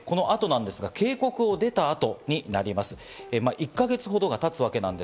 この後ですが、警告が出た後になります。